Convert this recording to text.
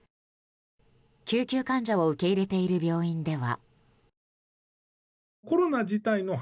救急患者を受け入れている病院では。